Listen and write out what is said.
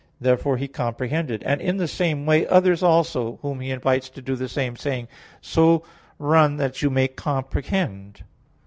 Therefore he comprehended; and in the same way, others also, whom he invites to do the same, saying: "So run that you may comprehend."